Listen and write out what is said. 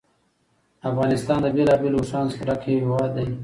افغانستان له بېلابېلو اوښانو څخه ډک یو هېواد دی.